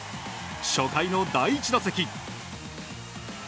初回の第１打席。